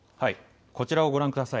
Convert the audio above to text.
こちらをご覧ください。